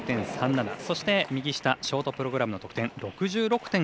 そして、右下ショートプログラムの得点６６．１１。